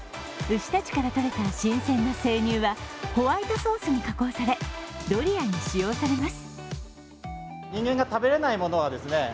牛たちからとれた新鮮な生乳はホワイトソースに加工されドリアに使用されます。